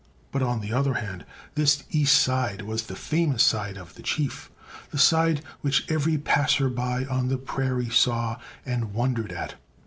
But, on the other hand, this east side was the famous side of the Chief the side which every passer by on the prairie saw and wondered at.